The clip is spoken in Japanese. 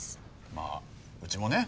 まあうちもね